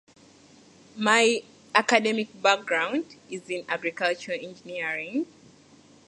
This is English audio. The group consisted of members Cassandra Lucas and Charisse Rose.